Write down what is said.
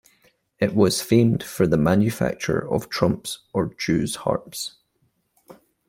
It was famed for the manufacture of trumps or Jew's harps.